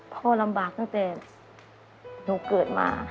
พ่อลำบากตั้งแต่หนูเกิดมา